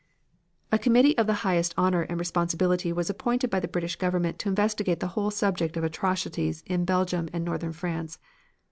A committee of the highest honor and responsibility was appointed by the British Government to investigate the whole subject of atrocities in Belgium and Northern France.